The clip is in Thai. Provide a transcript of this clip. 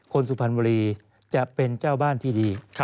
สุพรรณบุรีจะเป็นเจ้าบ้านที่ดี